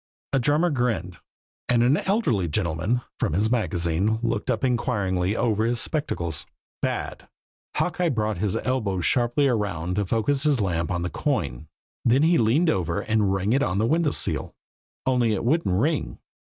A drummer grinned; and an elderly gentleman, from his magazine, looked up inquiringly over his spectacles. "Bad!" Hawkeye brought his elbow sharply around to focus his lamp on the coin; then he leaned over and rang it on the window sill only it wouldn't ring.